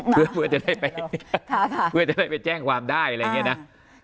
เพื่อจะได้ไปแจ้งความได้อะไรอย่างนี้นะ